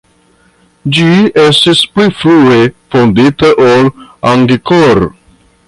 Ĝi estis pli frue fondita ol Angkor.